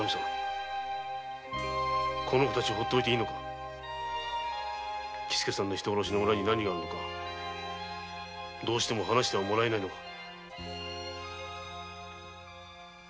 子供たちをほっておくのか人殺しの裏に何があるのかどうしても話してはもらえないのか？